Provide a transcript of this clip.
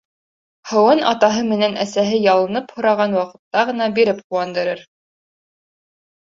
Һыуын атаһы менән әсәһе ялынып һораған ваҡытта ғына биреп ҡыуандырыр.